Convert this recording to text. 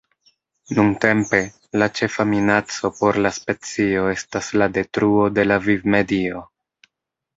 Nuntempe, la ĉefa minaco por la specio estas la detruo de la vivmedio.